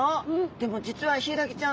でも実はヒイラギちゃん